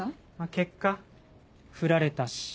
結果フラれたし。